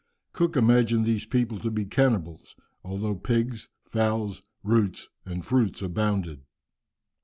Cook imagined these people to be cannibals, although pigs, fowls, roots, and fruits abounded.